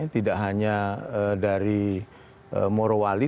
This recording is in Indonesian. tidak hanya dari morowali